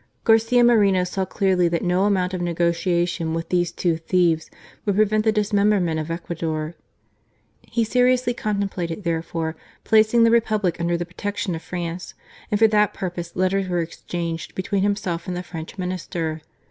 ♦Garcia Moreno saw clearly that no amount of nego tiation with these two thieves would prevent the dismemberment of Ecuador. He seriously con templated, therefore, placing the Republic under the protection of France, and for that purpose letters were exchanged between himself and the French Minister.